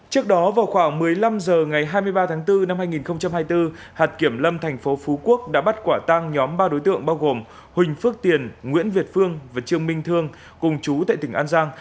trước đó vào khoảng một mươi năm h ngày hai mươi ba tháng bốn năm hai nghìn hai mươi bốn hạt kiểm lâm thành phố phú quốc đã bắt quả tăng nhóm ba đối tượng bao gồm huỳnh phước tiền nguyễn việt phương và trương minh thương cùng chú tại tỉnh an giang